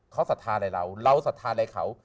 เขาสัทธาในเราเราสัทธาในเขา